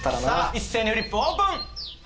一斉にフリップオープン！